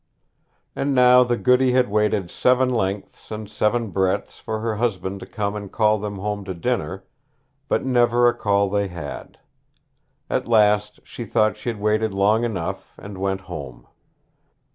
And now the goody had waited seven lengths and seven breadths for her husband to come and call them home to dinner; but never a call they had. At last she thought she'd waited long enough, and went home.